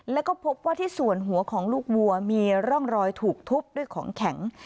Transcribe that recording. แล้วก็พบว่าที่ส่วนหัวของลูกวัวมีร่องรอยถูกทุบด้วยของแข็ง